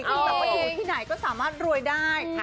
ภาพอยู่ที่ไหนก็สามารถรวยได้